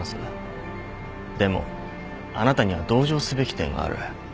でもあなたには同情すべき点がある。